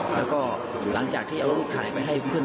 แล้วก็หลังจากที่เอารูปถ่ายไปให้เพื่อน